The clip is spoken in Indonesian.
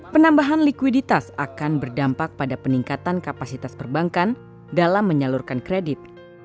penambahan likuiditas akan berdampak pada peningkatan kapasitas perbankan dalam menyalurkan kredit